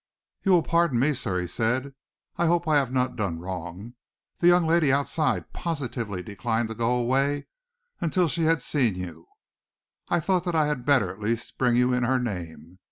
"You will pardon me, sir," he said. "I hope that I have not done wrong. The young lady outside positively declined to go away until she had seen you. I thought that I had better at least bring you in her name.